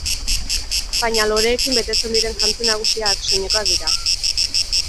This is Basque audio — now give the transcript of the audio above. Baina loreekin betetzen diren jantzi nagusiak, soinekoak dira.